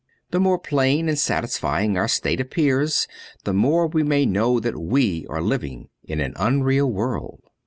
The more plain and satisfying our state appears, the more we may know that we are living in an unreal world.